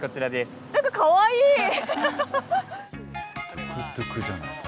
トゥクトゥクじゃないですか。